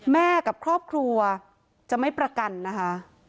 กับครอบครัวจะไม่ประกันนะคะ